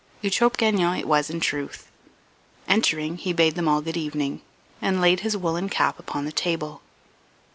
Eutrope Gagnon it was in truth. Entering, he bade them all good evening, and laid his woollen cap upon the table.